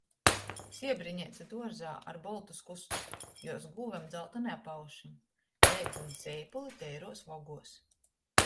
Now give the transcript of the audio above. Siebrineica duorzā ar boltu skustu, juos gūvim dzaltoni apauši. Leidzoni seipuli teiruos voguos.